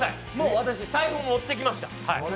私、財布も持ってきました。